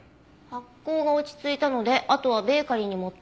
「発酵が落ち着いたのであとはベーカリーに持っていくだけ」